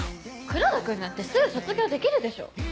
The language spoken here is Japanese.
黒田君なんてすぐ卒業できるでしょ！